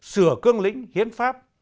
sửa cương lĩnh hiến pháp